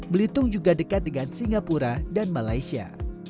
belitung juga dekat dengan singapura dan malaysia